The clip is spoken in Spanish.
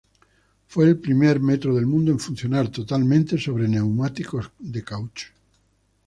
Fue el primer metro del mundo en funcionar totalmente sobre neumáticos de caucho.